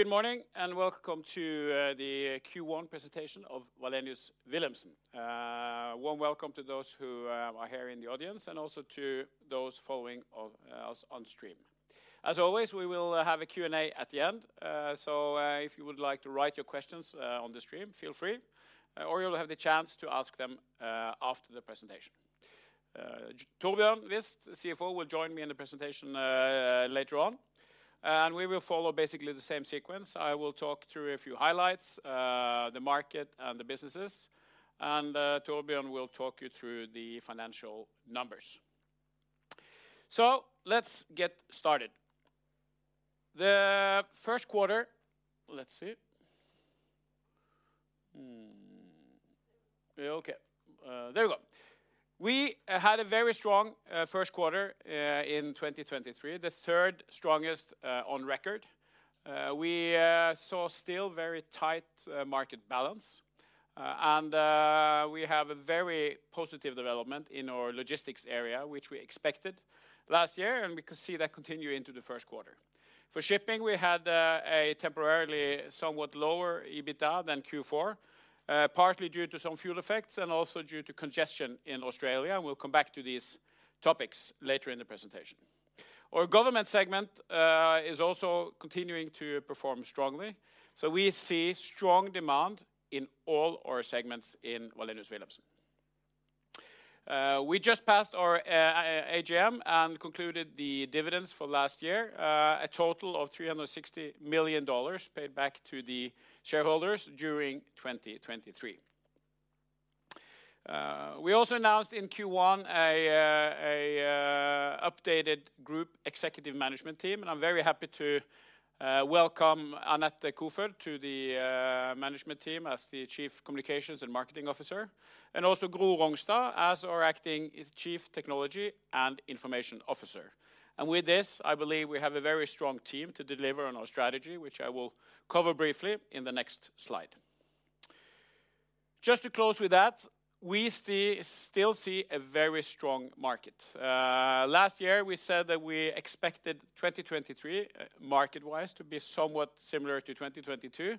Good morning, welcome to the Q1 presentation of Wallenius Wilhelmsen. Warm welcome to those who are here in the audience, and also to those following of us on stream. As always, we will have a Q&A at the end. If you would like to write your questions on the stream, feel free, or you'll have the chance to ask them after the presentation. Torbjörn Wist, the CFO, will join me in the presentation later on. We will follow basically the same sequence. I will talk through a few highlights, the market and the businesses. Torbjörn will talk you through the financial numbers. Let's get started. The first quarter... Let's see. Hmm. Okay. There we go. We had a very strong first quarter in 2023, the third strongest on record. We saw still very tight market balance, and we have a very positive development in our logistics area, which we expected last year, and we can see that continue into the first quarter. For shipping, we had a temporarily somewhat lower EBITDA than Q4, partly due to some fuel effects and also due to congestion in Australia, and we'll come back to these topics later in the presentation. Our government segment is also continuing to perform strongly, so we see strong demand in all our segments in Wallenius Wilhelmsen. We just passed our AGM and concluded the dividends for last year, a total of $360 million paid back to the shareholders during 2023. We also announced in Q1 an updated group executive management team, and I'm very happy to welcome Anette Koefoed to the management team as the Chief Communications and Marketing Officer, and also Gro Rognstad as our Acting Chief Technology and Information Officer. With this, I believe we have a very strong team to deliver on our strategy, which I will cover briefly in the next slide. Just to close with that, we still see a very strong market. Last year, we said that we expected 2023, market-wise, to be somewhat similar to 2022.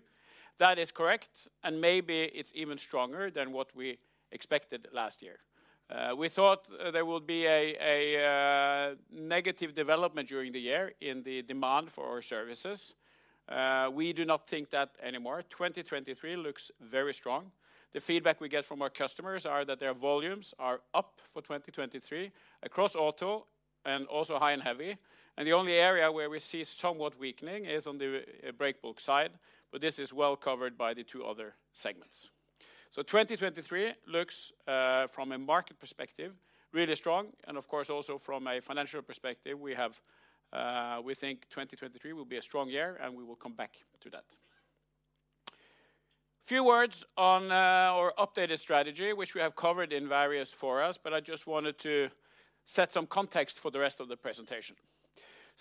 That is correct, and maybe it's even stronger than what we expected last year. We thought there would be a negative development during the year in the demand for our services. We do not think that anymore. 2023 looks very strong. The feedback we get from our customers are that their volumes are up for 2023 across auto and also high & heavy. The only area where we see somewhat weakening is on the breakbulk side, but this is well covered by the two other segments. 2023 looks from a market perspective, really strong. Of course, also from a financial perspective, we think 2023 will be a strong year. We will come back to that. Few words on our updated strategy, which we have covered in various for us. I just wanted to set some context for the rest of the presentation.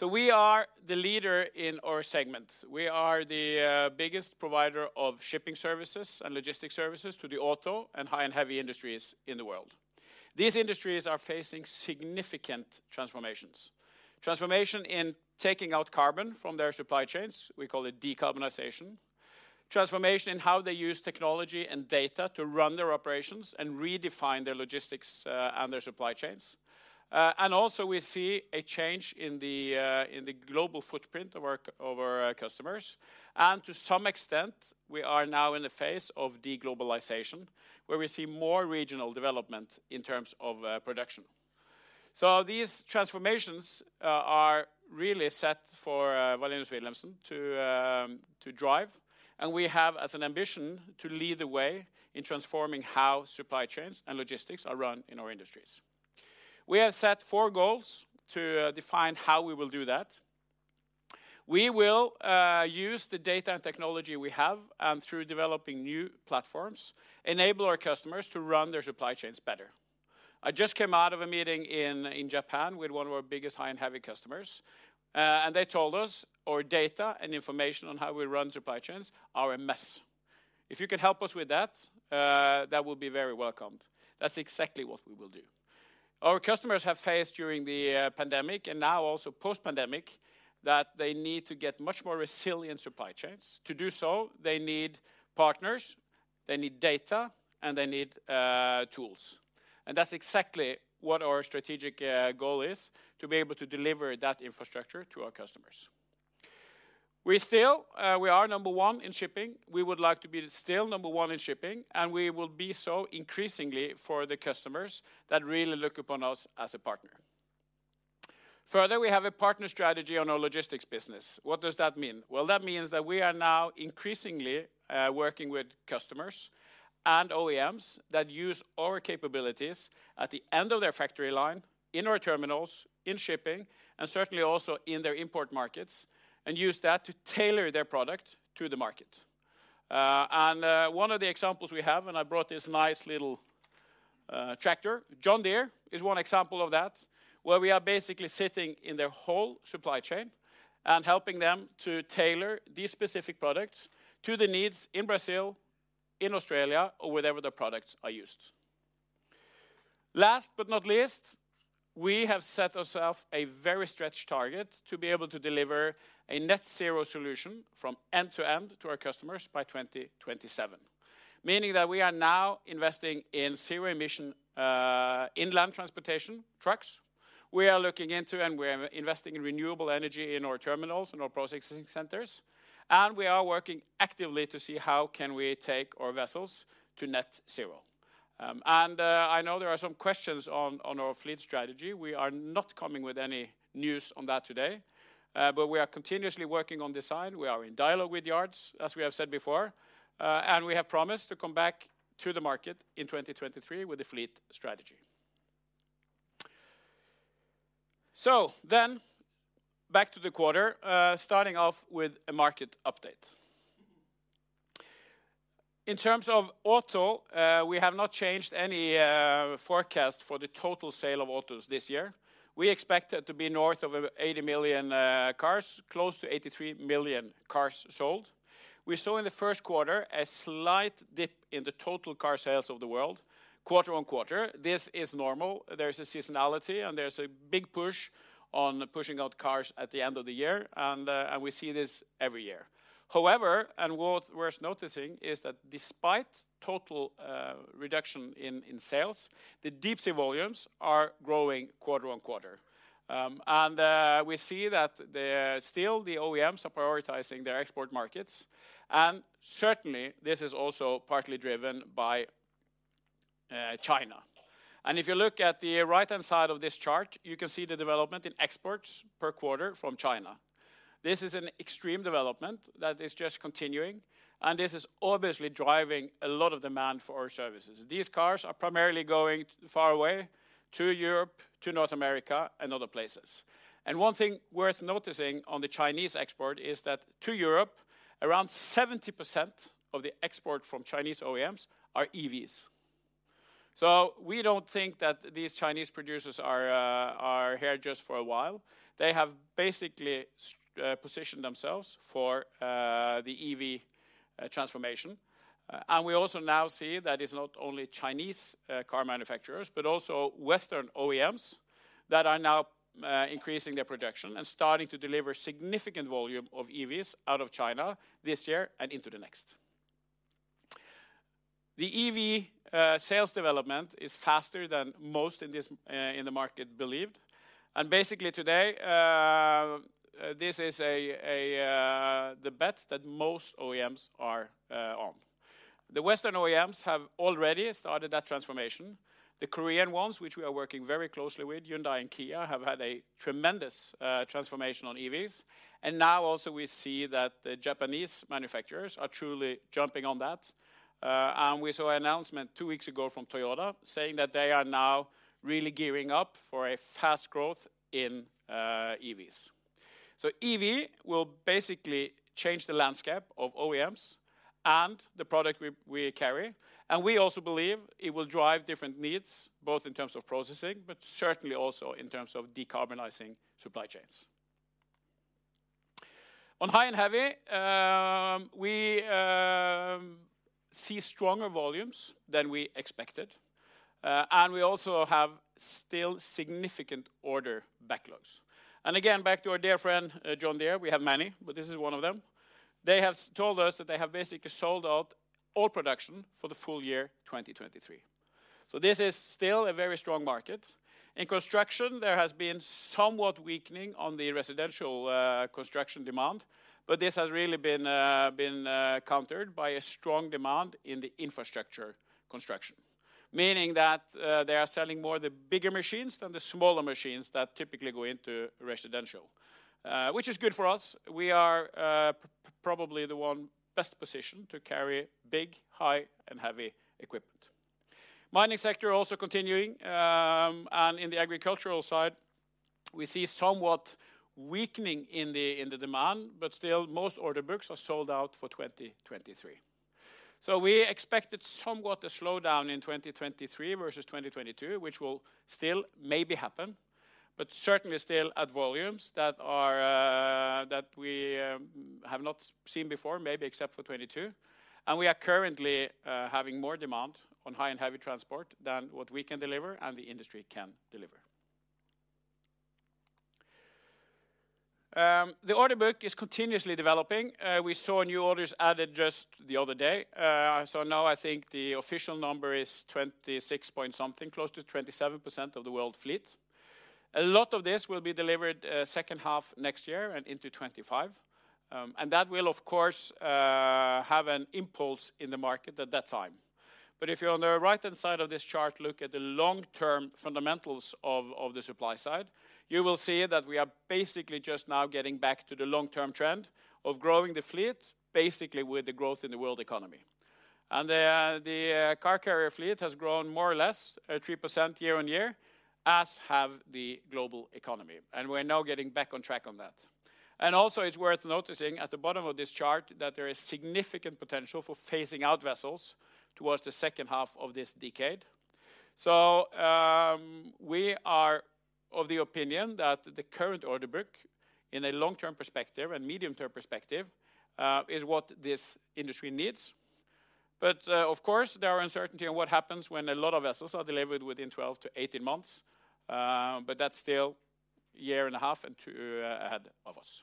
We are the leader in our segment. We are the biggest provider of shipping services and logistic services to the auto and high & heavy industries in the world. These industries are facing significant transformations, transformation in taking out carbon from their supply chains, we call it decarbonization, transformation in how they use technology and data to run their operations and redefine their logistics and their supply chains. Also we see a change in the global footprint of our customers, and to some extent, we are now in the phase of de-globalization, where we see more regional development in terms of production. These transformations are really set for Wallenius Wilhelmsen to drive, and we have as an ambition to lead the way in transforming how supply chains and logistics are run in our industries. We have set four goals to define how we will do that. We will use the data and technology we have and, through developing new platforms, enable our customers to run their supply chains better. I just came out of a meeting in Japan with one of our biggest high & heavy customers, and they told us our data and information on how we run supply chains are a mess. "If you can help us with that would be very welcomed." That's exactly what we will do. Our customers have faced during the pandemic and now also post-pandemic that they need to get much more resilient supply chains. To do so, they need partners, they need data, and they need tools, and that's exactly what our strategic goal is, to be able to deliver that infrastructure to our customers. We still, we are number one in shipping. We would like to be still number one in shipping, and we will be so increasingly for the customers that really look upon us as a partner. Further, we have a partner strategy on our logistics business. What does that mean? Well, that means that we are now increasingly working with customers and OEMs that use our capabilities at the end of their factory line, in our terminals, in shipping, and certainly also in their import markets, and use that to tailor their product to the market. One of the examples we have, and I brought this nice little tractor, John Deere is one example of that, where we are basically sitting in their whole supply chain and helping them to tailor these specific products to the needs in Brazil, in Australia, or wherever the products are used. Last but not least, we have set ourselves a very stretched target to be able to deliver a net zero solution from end to end to our customers by 2027, meaning that we are now investing in zero-emission inland transportation trucks. We are looking into and we are investing in renewable energy in our terminals and our processing centers, and we are working actively to see how can we take our vessels to net zero. I know there are some questions on our fleet strategy. We are not coming with any news on that today, but we are continuously working on this side. We are in dialogue with yards, as we have said before, and we have promised to come back to the market in 2023 with a fleet strategy. Back to the quarter, starting off with a market update. In terms of auto, we have not changed any forecast for the total sale of autos this year. We expect it to be north of 80 million cars, close to 83 million cars sold. We saw in the first quarter a slight dip in the total car sales of the world, quarter-on-quarter. This is normal. There's a seasonality, and there's a big push on pushing out cars at the end of the year, and we see this every year. However, worth noticing is that despite total reduction in sales, the deep sea volumes are growing quarter-on-quarter. We see that still the OEMs are prioritizing their export markets, and certainly this is also partly driven by China. If you look at the right-hand side of this chart, you can see the development in exports per quarter from China. This is an extreme development that is just continuing, and this is obviously driving a lot of demand for our services. These cars are primarily going far away to Europe, to North America, and other places. One thing worth noticing on the Chinese export is that to Europe, around 70% of the export from Chinese OEMs are EVs. We don't think that these Chinese producers are here just for a while. They have basically positioned themselves for the EV transformation. We also now see that it's not only Chinese car manufacturers, but also Western OEMs that are now increasing their production and starting to deliver significant volume of EVs out of China this year and into the next. The EV sales development is faster than most in this in the market believed. Basically today, this is a the bet that most OEMs are on. The Western OEMs have already started that transformation. The Korean ones, which we are working very closely with, Hyundai and Kia, have had a tremendous transformation on EVs. Now also we see that the Japanese manufacturers are truly jumping on that. We saw an announcement 2 weeks ago from Toyota saying that they are now really gearing up for a fast growth in EVs. EV will basically change the landscape of OEMs and the product we carry, and we also believe it will drive different needs, both in terms of processing, but certainly also in terms of decarbonizing supply chains. On high & heavy, we see stronger volumes than we expected, and we also have still significant order backlogs. Again, back to our dear friend, John Deere, we have many, but this is one of them. They have told us that they have basically sold out all production for the full year 2023. This is still a very strong market. In construction, there has been somewhat weakening on the residential construction demand, but this has really been countered by a strong demand in the infrastructure construction, meaning that they are selling more of the bigger machines than the smaller machines that typically go into residential, which is good for us. We are probably the one best positioned to carry big, high & heavy equipment. Mining sector also continuing. In the agricultural side, we see somewhat weakening in the demand, but still most order books are sold out for 2023. We expected somewhat a slowdown in 2023 versus 2022, which will still maybe happen, but certainly still at volumes that are that we have not seen before, maybe except for 2022. We are currently having more demand on High & Heavy transport than what we can deliver and the industry can deliver. The order book is continuously developing. We saw new orders added just the other day. Now I think the official number is 26.something, close to 27% of the world fleet. A lot of this will be delivered, second half next year and into 2025, and that will of course have an impulse in the market at that time. If you're on the right-hand side of this chart, look at the long-term fundamentals of the supply side, you will see that we are basically just now getting back to the long-term trend of growing the fleet, basically with the growth in the world economy. The car carrier fleet has grown more or less at 3% year on year, as have the global economy, and we're now getting back on track on that. Also, it's worth noticing at the bottom of this chart that there is significant potential for phasing out vessels towards the second half of this decade. We are of the opinion that the current order book, in a long-term perspective and medium-term perspective, is what this industry needs. Of course, there are uncertainty on what happens when a lot of vessels are delivered within 12-18 months, but that's still a year and a half and 2 ahead of us.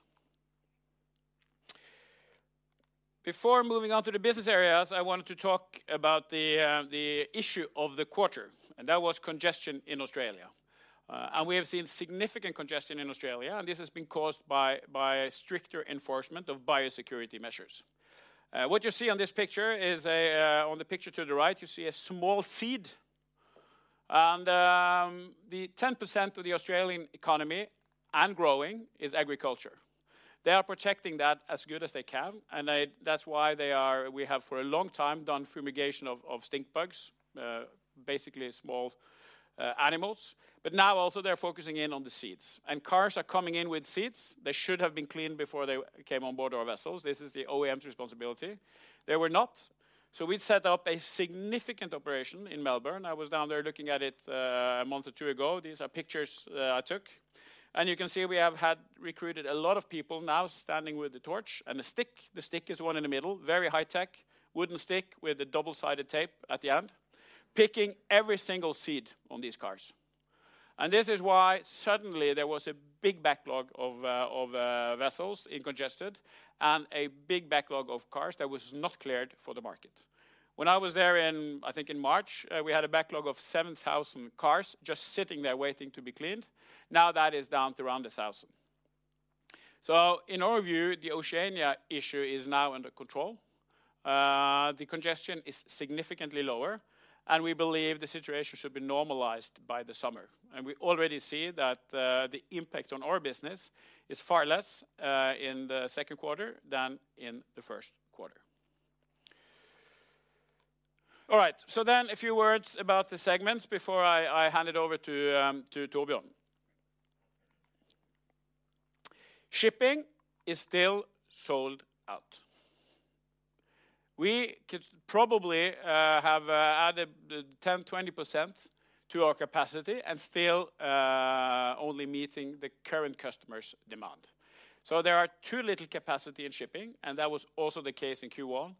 Before moving on to the business areas, I wanted to talk about the issue of the quarter, and that was congestion in Australia. We have seen significant congestion in Australia, and this has been caused by stricter enforcement of biosecurity measures. What you see on this picture is on the picture to the right you see a small seed and the 10% of the Australian economy, and growing, is agriculture. They are protecting that as good as they can, we have for a long time done fumigation of stink bugs, basically small animals. Now also they're focusing in on the seeds, cars are coming in with seeds. They should have been cleaned before they came on board our vessels. This is the OEM's responsibility. They were not, we'd set up a significant operation in Melbourne. I was down there looking at it, one or two months ago. These are pictures I took, you can see we have had recruited a lot of people now standing with the torch and the stick. The stick is one in the middle, very high tech. Wooden stick with a double-sided tape at the end, picking every single seed on these cars. This is why suddenly there was a big backlog of vessels in congested and a big backlog of cars that was not cleared for the market. When I was there in, I think in March, we had a backlog of 7,000 cars just sitting there waiting to be cleaned. Now that is down to around 1,000. In our view, the Oceania issue is now under control. The congestion is significantly lower, and we believe the situation should be normalized by the summer. We already see that the impact on our business is far less in the second quarter than in the first quarter. A few words about the segments before I hand it over to Torbjörn. Shipping is still sold out. We could probably have added 10%, 20% to our capacity and still only meeting the current customers' demand. There are too little capacity in shipping, and that was also the case in Q1.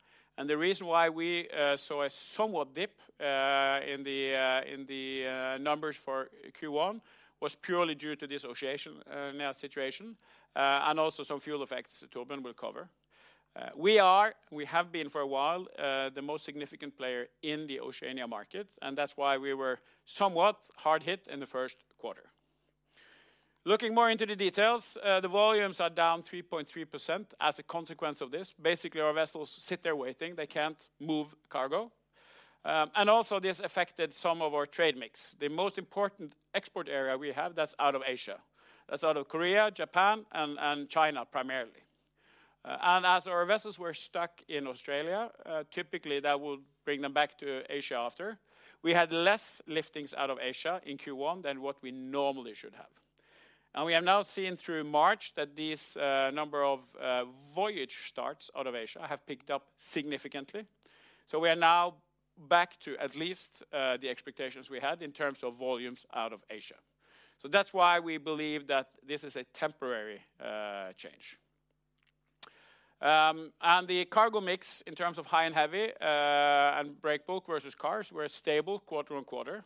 The reason why we saw a somewhat dip in the in the numbers for Q1 was purely due to this Oceania situation and also some fuel effects that Torbjörn will cover. We are, we have been for a while, the most significant player in the Oceania market. That's why we were somewhat hard hit in the first quarter. Looking more into the details, the volumes are down 3.3% as a consequence of this. Basically, our vessels sit there waiting. They can't move cargo. Also, this affected some of our trade mix. The most important export area we have, that's out of Asia. That's out of Korea, Japan, and China primarily. As our vessels were stuck in Australia, typically that would bring them back to Asia after. We had less liftings out of Asia in Q1 than what we normally should have. We have now seen through March that these number of voyage starts out of Asia have picked up significantly. We are now back to at least the expectations we had in terms of volumes out of Asia. That's why we believe that this is a temporary change. The cargo mix in terms of high & heavy and breakbulk versus cars were stable quarter-on-quarter.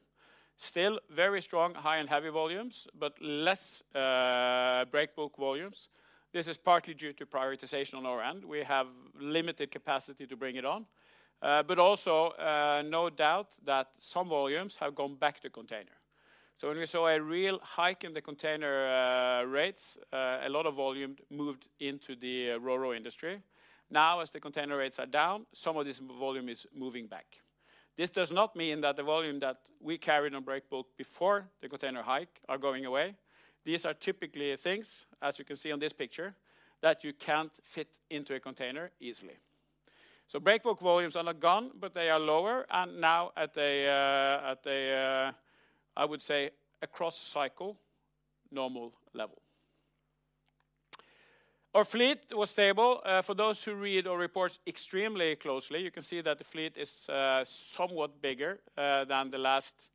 Still very strong high & heavy volumes, but less breakbulk volumes. This is partly due to prioritization on our end. We have limited capacity to bring it on, but also no doubt that some volumes have gone back to container. When we saw a real hike in the container rates, a lot of volume moved into the ro-ro industry. Now, as the container rates are down, some of this volume is moving back. This does not mean that the volume that we carried on breakbulk before the container hike are going away. These are typically things, as you can see on this picture, that you can't fit into a container easily. Breakbulk volumes are not gone, but they are lower and now at a, I would say, a cross cycle normal level. Our fleet was stable. For those who read our reports extremely closely, you can see that the fleet is somewhat bigger than the last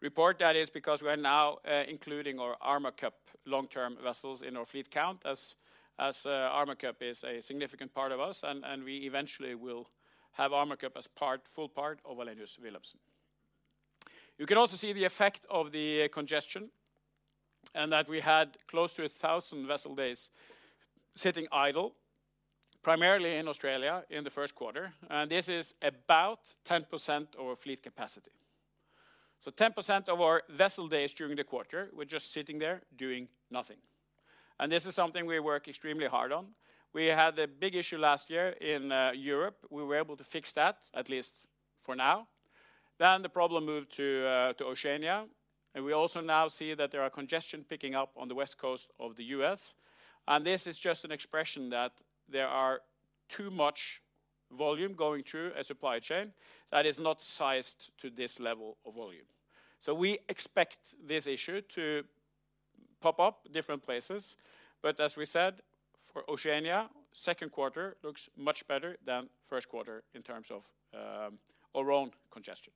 report. That is because we are now including our Armacor long-term vessels in our fleet count as Armacor is a significant part of us and we eventually will have Armacor as full part of Wallenius Wilhelmsen. You can also see the effect of the congestion, and that we had close to 1,000 vessel days sitting idle, primarily in Australia in the first quarter, and this is about 10% of fleet capacity. 10% of our vessel days during the quarter were just sitting there doing nothing. This is something we work extremely hard on. We had a big issue last year in Europe. We were able to fix that, at least for now. The problem moved to Oceania, and we also now see that there are congestion picking up on the west coast of the U.S., and this is just an expression that there are too much volume going through a supply chain that is not sized to this level of volume. We expect this issue to pop up different places, but as we said. For Oceania, 2nd quarter looks much better than 1st quarter in terms of our own congestion.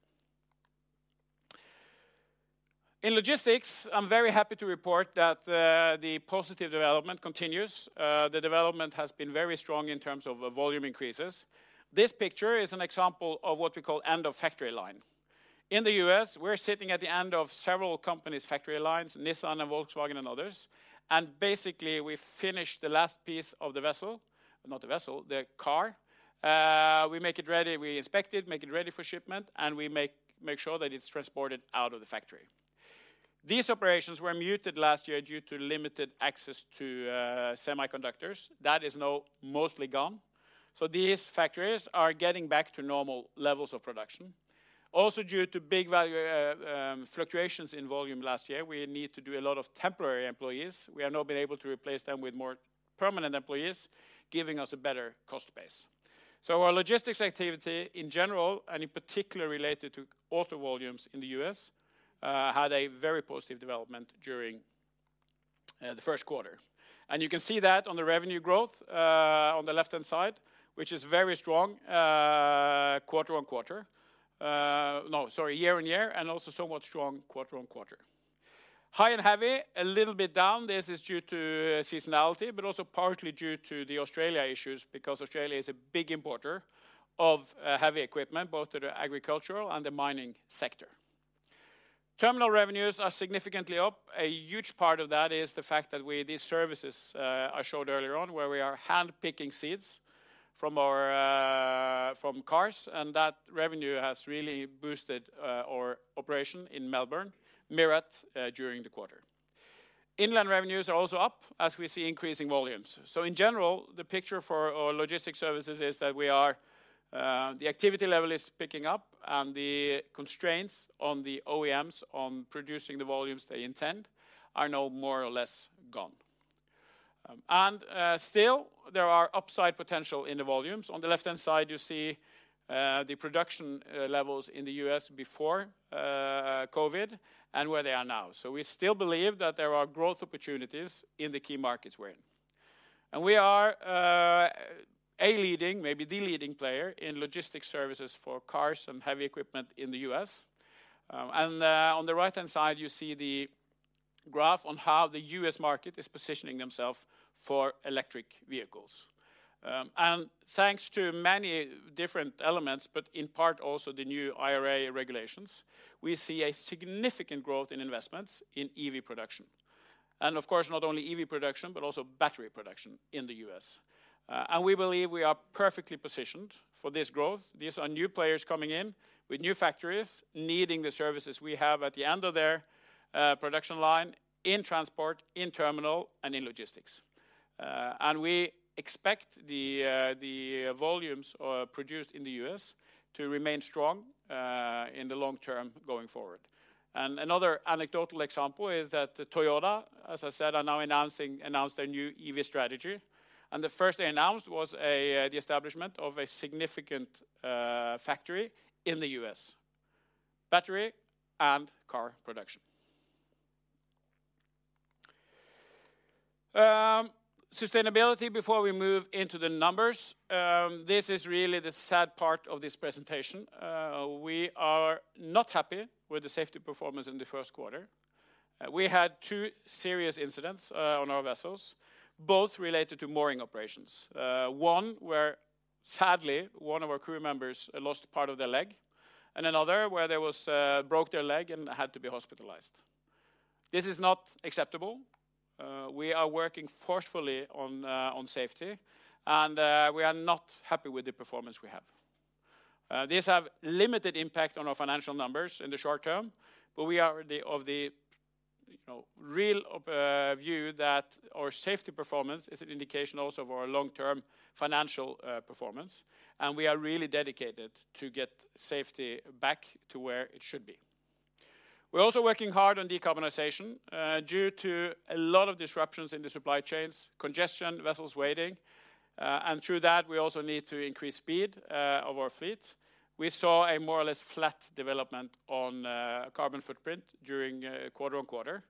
In logistics, I'm very happy to report that the positive development continues. The development has been very strong in terms of volume increases. This picture is an example of what we call end-of-factory line. In the U.S., we're sitting at the end of several companies' factory lines, Nissan and Volkswagen and others, and basically we finish the last piece of the vessel, not the vessel, the car. We make it ready, we inspect it, make it ready for shipment, and we make sure that it's transported out of the factory. These operations were muted last year due to limited access to semiconductors. That is now mostly gone. These factories are getting back to normal levels of production. Also, due to big value fluctuations in volume last year, we need to do a lot of temporary employees. We have now been able to replace them with more permanent employees, giving us a better cost base. Our logistics activity in general, and in particular related to auto volumes in the U.S., had a very positive development during the first quarter. You can see that on the revenue growth on the left-hand side, which is very strong quarter-over-quarter. No, sorry, year-over-year, and also somewhat strong quarter-over-quarter. High and heavy, a little bit down. This is due to seasonality, but also partly due to the Australia issues, because Australia is a big importer of heavy equipment, both to the agricultural and the mining sector. Terminal revenues are significantly up. A huge part of that is the fact that we, these services, I showed earlier on, where we are handpicking seeds from our, from cars, and that revenue has really boosted our operation in Melbourne, MIRRAT, during the quarter. Inland revenues are also up as we see increasing volumes. In general, the picture for our logistics services is that we are, the activity level is picking up, and the constraints on the OEMs on producing the volumes they intend are now more or less gone. Still, there are upside potential in the volumes. On the left-hand side, you see, the production, levels in the US before COVID and where they are now. We still believe that there are growth opportunities in the key markets we're in. We are a leading, maybe the leading player in logistics services for cars and heavy equipment in the U.S. On the right-hand side, you see the graph on how the U.S. market is positioning themself for electric vehicles. Thanks to many different elements, but in part also the new IRA regulations, we see a significant growth in investments in EV production. Of course, not only EV production, but also battery production in the U.S. We believe we are perfectly positioned for this growth. These are new players coming in with new factories needing the services we have at the end of their production line in transport, in terminal, and in logistics. We expect the volumes produced in the U.S. to remain strong in the long term going forward. Another anecdotal example is that Toyota, as I said, are now announcing, announced their new EV strategy. The first they announced was the establishment of a significant factory in the U.S., battery and car production. Sustainability before we move into the numbers. This is really the sad part of this presentation. We are not happy with the safety performance in the first quarter. We had two serious incidents on our vessels, both related to mooring operations. One where sadly, one of our crew members lost part of their leg, and another where there was broke their leg and had to be hospitalized. This is not acceptable. We are working forcefully on safety, and we are not happy with the performance we have. These have limited impact on our financial numbers in the short term, but we are the, of the, you know, real, view that our safety performance is an indication also of our long-term financial performance, and we are really dedicated to get safety back to where it should be. We're also working hard on decarbonization, due to a lot of disruptions in the supply chains, congestion, vessels waiting, and through that, we also need to increase speed of our fleet. We saw a more or less flat development on carbon footprint during quarter-on-quarter.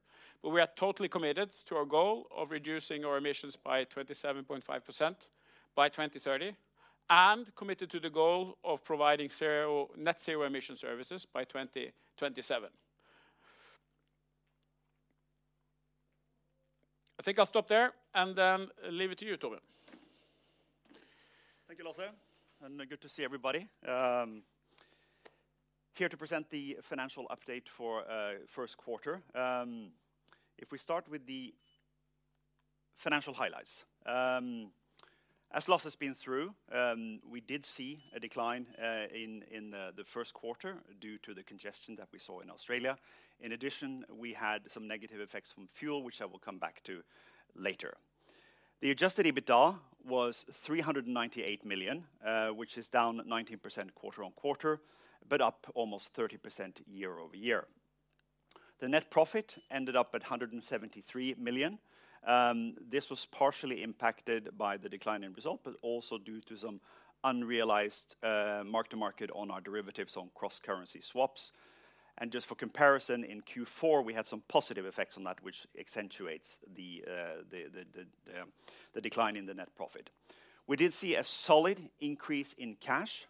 We are totally committed to our goal of reducing our emissions by 27.5% by 2030, and committed to the goal of providing zero, net zero emission services by 2027. I think I'll stop there and leave it to you, Torbjörn. Thank you, Lasse, and good to see everybody. Here to present the financial update for first quarter. If we start with the financial highlights. As Lasse has been through, we did see a decline in the first quarter due to the congestion that we saw in Australia. In addition, we had some negative effects from fuel, which I will come back to later. The adjusted EBITDA was $398 million, which is down 19% quarter-on-quarter, but up almost 30% year-over-year. The net profit ended up at $173 million. This was partially impacted by the decline in result, but also due to some unrealized mark-to-market on our derivatives on cross-currency swaps. Just for comparison, in Q4, we had some positive effects on that which accentuates the decline in the net profit. We did see a solid increase in cash,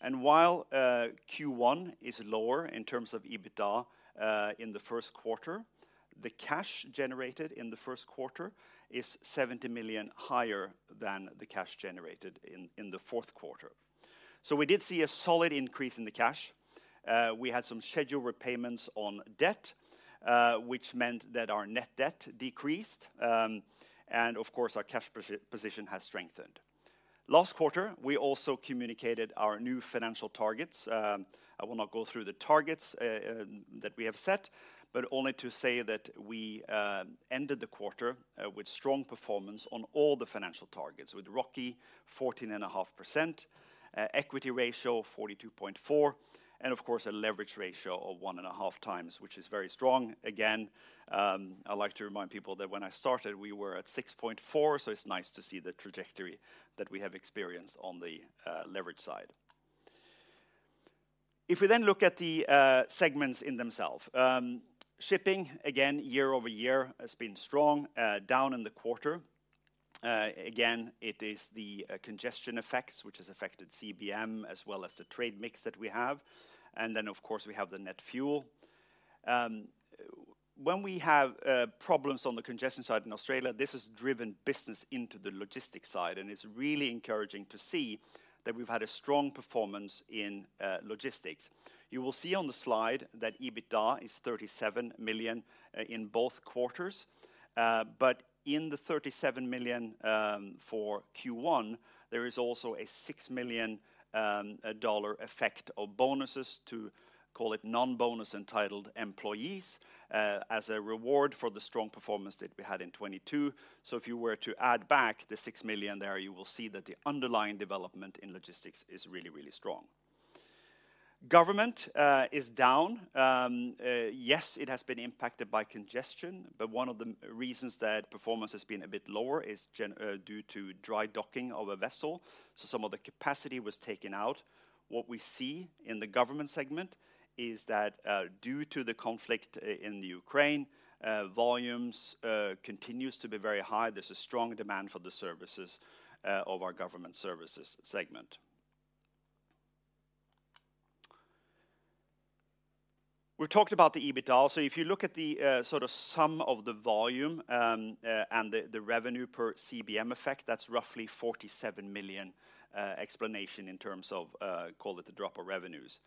and while Q1 is lower in terms of EBITDA, in the first quarter, the cash generated in the first quarter is $70 million higher than the cash generated in the fourth quarter. We did see a solid increase in the cash. We had some scheduled repayments on debt, which meant that our net debt decreased, and of course, our cash position has strengthened. Last quarter, we also communicated our new financial targets. I will not go through the targets that we have set, only to say that we ended the quarter with strong performance on all the financial targets, with ROCE 14.5%, equity ratio 42.4%, and of course, a leverage ratio of 1.5 times, which is very strong. Again, I like to remind people that when I started, we were at 6.4, it's nice to see the trajectory that we have experienced on the leverage side. If we look at the segments in themselves. Shipping, again, year-over-year has been strong, down in the quarter. Again, it is the congestion effects, which has affected CBM as well as the trade mix that we have, of course, we have the net fuel. When we have problems on the congestion side in Australia, this has driven business into the logistics side. It's really encouraging to see that we've had a strong performance in logistics. You will see on the slide that EBITDA is $37 million in both quarters. In the $37 million for Q1, there is also a $6 million effect of bonuses to call it non-bonus entitled employees as a reward for the strong performance that we had in 2022. If you were to add back the $6 million there, you will see that the underlying development in logistics is really, really strong. Government is down. Yes, it has been impacted by congestion, but one of the reasons that performance has been a bit lower is due to dry docking of a vessel, so some of the capacity was taken out. What we see in the government segment is that due to the conflict in the Ukraine, volumes continues to be very high. There's a strong demand for the services of our government services segment. We've talked about the EBITDA. If you look at the sort of sum of the volume and the revenue per CBM effect, that's roughly $47 million explanation in terms of call it the drop of revenues.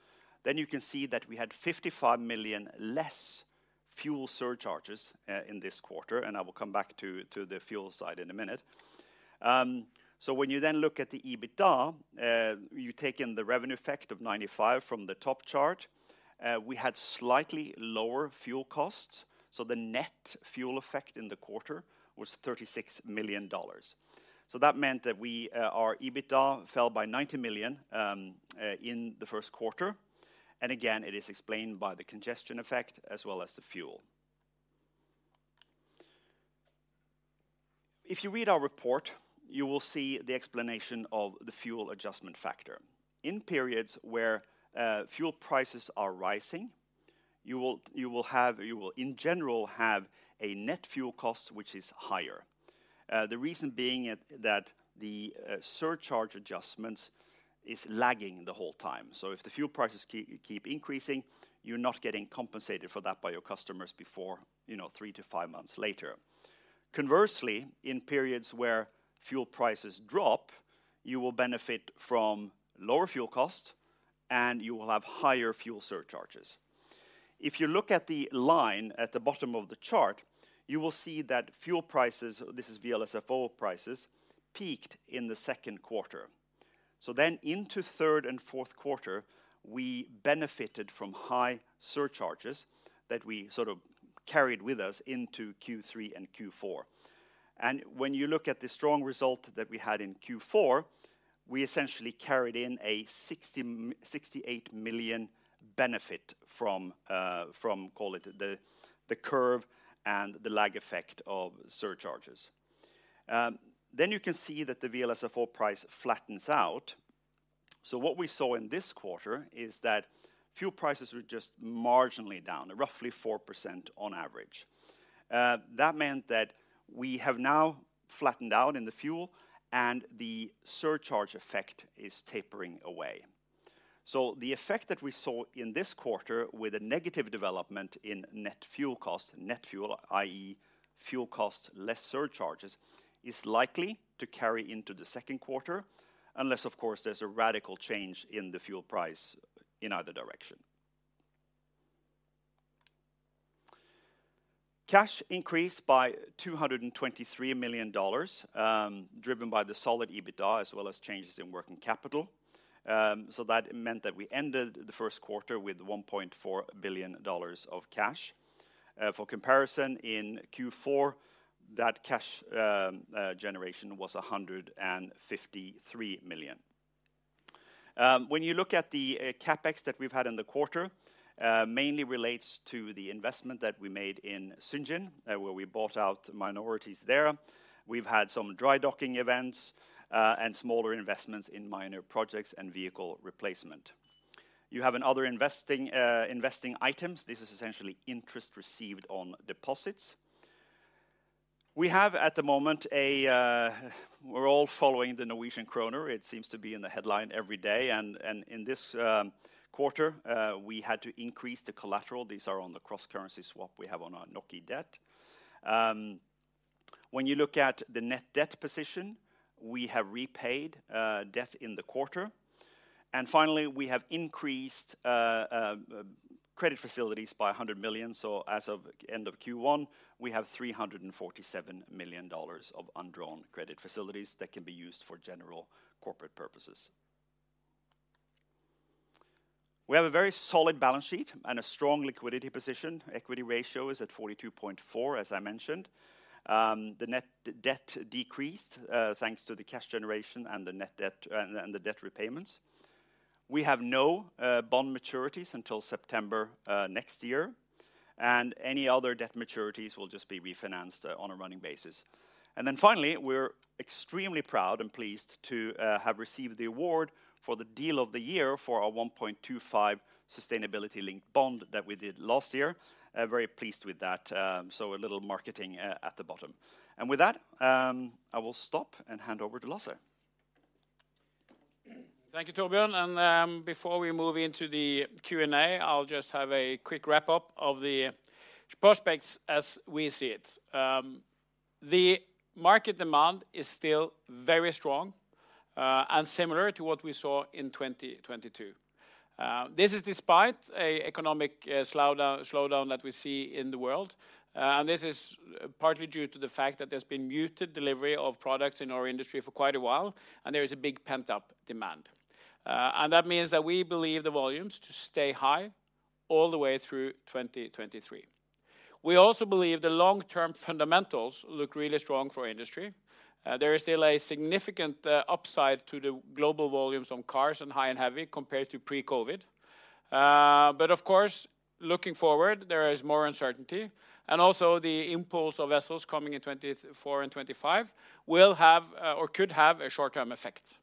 You can see that we had $55 million less fuel surcharges in this quarter, and I will come back to the fuel side in a minute. When you then look at the EBITDA, you take in the revenue effect of $95 from the top chart. We had slightly lower fuel costs, the net fuel effect in the quarter was $36 million. That meant that we, our EBITDA fell by $90 million in the first quarter, and again, it is explained by the congestion effect as well as the fuel. If you read our report, you will see the explanation of the fuel adjustment factor. In periods where fuel prices are rising, you will, in general, have a net fuel cost which is higher. The reason being that the surcharge adjustments is lagging the whole time. If the fuel prices keep increasing, you're not getting compensated for that by your customers before, you know, 3 to 5 months later. Conversely, in periods where fuel prices drop, you will benefit from lower fuel cost, and you will have higher fuel surcharges. If you look at the line at the bottom of the chart, you will see that fuel prices, this is VLSFO prices, peaked in the second quarter. Into third and fourth quarter, we benefited from high surcharges that we sort of carried with us into Q3 and Q4. When you look at the strong result that we had in Q4, we essentially carried in a $68 million benefit from call it the curve and the lag effect of surcharges. You can see that the VLSFO price flattens out. What we saw in this quarter is that fuel prices were just marginally down, roughly 4% on average. That meant that we have now flattened out in the fuel, and the surcharge effect is tapering away. The effect that we saw in this quarter with a negative development in net fuel cost, net fuel, i.e. fuel cost less surcharges, is likely to carry into the second quarter, unless, of course, there's a radical change in the fuel price in either direction. Cash increased by $223 million, driven by the solid EBITDA as well as changes in working capital. That meant that we ended the first quarter with $1.4 billion of cash. For comparison, in Q4, that cash generation was $153 million. When you look at the CapEx that we've had in the quarter, mainly relates to the investment that we made in Sungin, where we bought out minorities there. We've had some dry docking events and smaller investments in minor projects and vehicle replacement. You have another investing items. This is essentially interest received on deposits. We have at the moment we're all following the Norwegian kroner. It seems to be in the headline every day. In this quarter, we had to increase the collateral. These are on the cross-currency swap we have on our nokkie debt. When you look at the net debt position, we have repaid debt in the quarter. Finally, we have increased credit facilities by $100 million. As of end of Q1, we have $347 million of undrawn credit facilities that can be used for general corporate purposes. We have a very solid balance sheet and a strong liquidity position. Equity ratio is at 42.4, as I mentioned. The net debt decreased, thanks to the cash generation and the net debt, and the debt repayments. We have no bond maturities until September next year, and any other debt maturities will just be refinanced on a running basis. Finally, we're extremely proud and pleased to have received the award for the deal of the year for our 1.25 sustainability-linked bond that we did last year. Very pleased with that. A little marketing at the bottom. With that, I will stop and hand over to Lasse. Thank you, Torbjörn. Before we move into the Q&A, I'll just have a quick wrap-up of the prospects as we see it. The market demand is still very strong, similar to what we saw in 2022. This is despite an economic slowdown that we see in the world. This is partly due to the fact that there's been muted delivery of products in our industry for quite a while, and there is a big pent-up demand. That means that we believe the volumes to stay high all the way through 2023. We also believe the long-term fundamentals look really strong for our industry. There is still a significant upside to the global volumes on cars and high & heavy compared to pre-COVID. Of course, looking forward, there is more uncertainty. Also the impulse of vessels coming in 2024 and 2025 will have, or could have a short-term effect.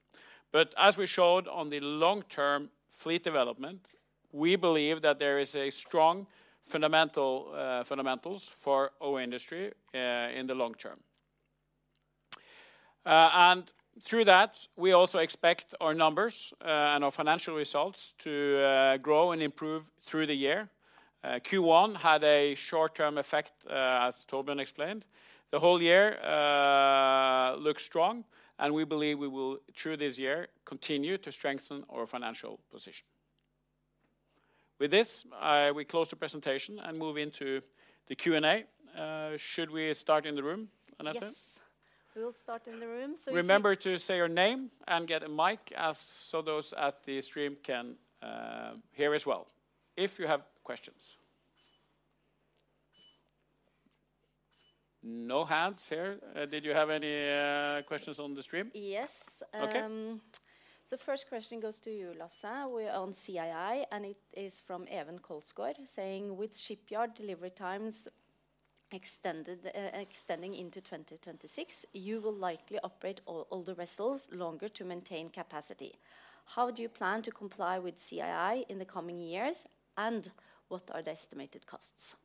As we showed on the long-term fleet development, we believe that there is a strong fundamental, fundamentals for our industry in the long term. Through that, we also expect our numbers and our financial results to grow and improve through the year. Q1 had a short-term effect, as Torbjörn explained. The whole year looks strong, and we believe we will, through this year, continue to strengthen our financial position. With this, we close the presentation and move into the Q&A. Should we start in the room, Anette? Yes. We'll start in the room. Remember to say your name and get a mic as so those at the stream can hear as well, if you have questions. No hands here. Did you have any questions on the stream? Yes. Okay. First question goes to you, Lasse. We're on CII. It is from Even Kolsgaard saying, "With shipyard delivery times extended, extending into 2026, you will likely operate all the vessels longer to maintain capacity. How do you plan to comply with CII in the coming years, and what are the estimated costs?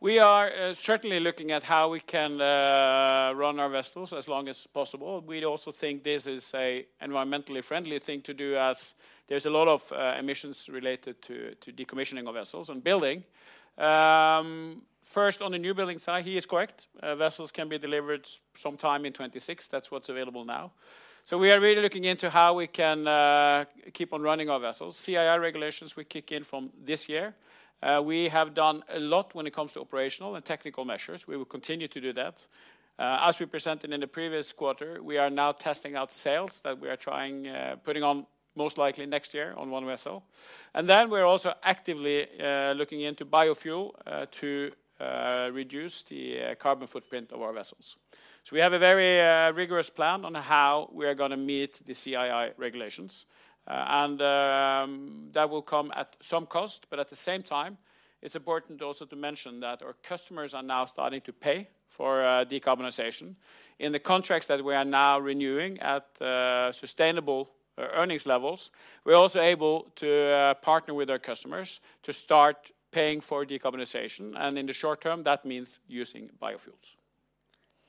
We are certainly looking at how we can run our vessels as long as possible. We also think this is a environmentally friendly thing to do as there's a lot of emissions related to decommissioning of vessels and building. First, on the new building side, he is correct. Vessels can be delivered sometime in '26. That's what's available now. We are really looking into how we can keep on running our vessels. CII regulations will kick in from this year. We have done a lot when it comes to operational and technical measures. We will continue to do that. As we presented in the previous quarter, we are now testing out sails that we are trying putting on most likely next year on one vessel. We're also actively looking into biofuel to reduce the carbon footprint of our vessels. We have a very rigorous plan on how we are gonna meet the CII regulations. That will come at some cost. At the same time, it's important also to mention that our customers are now starting to pay for decarbonization. In the contracts that we are now renewing at sustainable earnings levels, we're also able to partner with our customers to start paying for decarbonization. In the short term, that means using biofuels.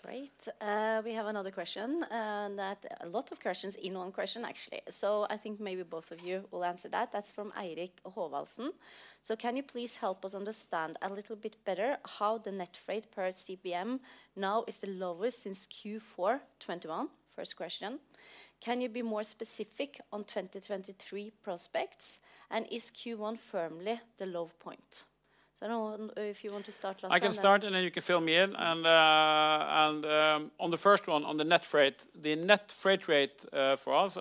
Great. We have another question, and that a lot of questions in one question, actually. I think maybe both of you will answer that. That's from Eirik Haavaldsen. "Can you please help us understand a little bit better how the net freight per CBM now is the lowest since Q4 '21?" First question. "Can you be more specific on 2023 prospects? Is Q1 firmly the low point?" I don't know if you want to start, Lasse, and then. I can start, and then you can fill me in. On the first one, on the net freight, the net freight rate for us,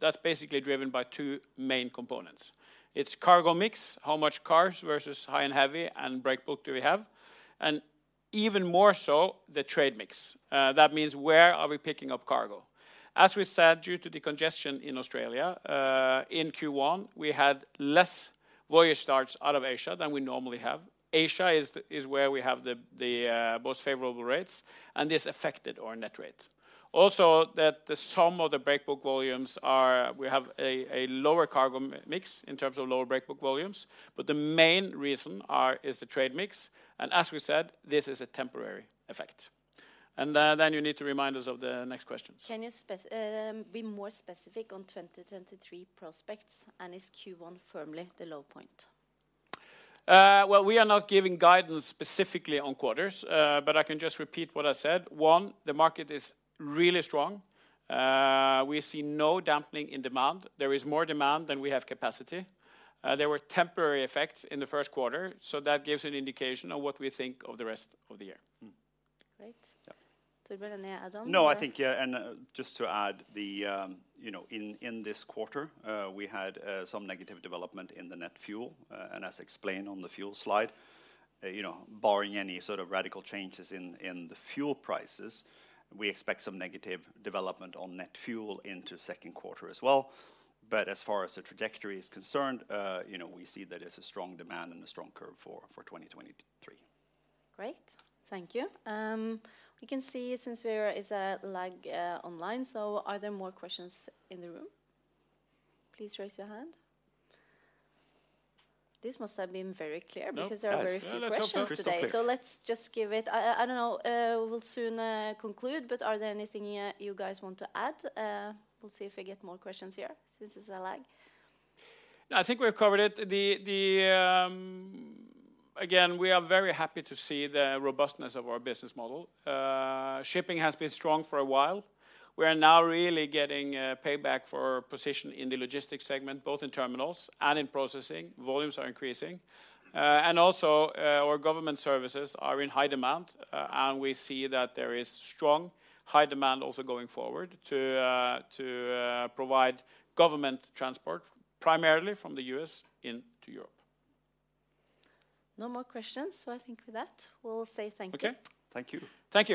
that's basically driven by two main components. It's cargo mix, how much cars versus high and heavy and breakbulk do we have, and even more so, the trade mix. That means where are we picking up cargo? As we said, due to the congestion in Australia, in Q1, we had less voyage starts out of Asia than we normally have. Asia is where we have the most favorable rates, and this affected our net rate. Also, that the sum of the breakbulk volumes, we have a lower cargo mix in terms of lower breakbulk volumes. The main reason is the trade mix, and as we said, this is a temporary effect. Then you need to remind us of the next questions. Can you be more specific on 2023 prospects? Is Q1 firmly the low point? Well, we are not giving guidance specifically on quarters, but I can just repeat what I said. One, the market is really strong. We see no dampening in demand. There is more demand than we have capacity. There were temporary effects in the first quarter, so that gives an indication of what we think of the rest of the year. Great. Yeah. Torbjørn, any add on here? No, I think, yeah, just to add the, you know, in this quarter, we had some negative development in the net fuel, and as explained on the fuel slide. You know, barring any sort of radical changes in the fuel prices, we expect some negative development on net fuel into second quarter as well. As far as the trajectory is concerned, you know, we see that it's a strong demand and a strong curve for 2023. Great. Thank you. We can see since there is a lag online. Are there more questions in the room? Please raise your hand. This must have been very clear. No because there are very few questions today. No, that's okay. Super clear. Let's just give it... I don't know. We'll soon conclude. Are there anything you guys want to add? We'll see if we get more questions here since there's a lag. No, I think we've covered it. The, again, we are very happy to see the robustness of our business model. Shipping has been strong for a while. We are now really getting payback for our position in the logistics segment, both in terminals and in processing. Volumes are increasing. Also, our government services are in high demand, and we see that there is strong, high demand also going forward to provide government transport primarily from the U.S. into Europe. No more questions, so I think with that we'll say thank you. Okay. Thank you. Thank you.